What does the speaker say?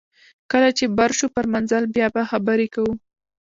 کله چې بر شو پر منزل بیا به خبرې کوو